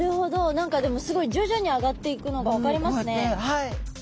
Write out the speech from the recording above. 何かでもすごい徐々に上がっていくのが分かりますね。